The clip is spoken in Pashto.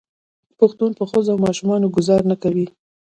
پښتون په ښځو او ماشومانو ګذار نه کوي.